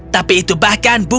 tapi itu bahkan bukan